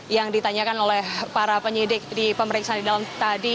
yang ditanyakan oleh para penyidik di pemeriksaan di dalam tadi